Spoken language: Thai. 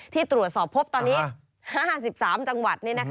ที่ตรวจสอบพบตอนนี้๕๓จังหวัด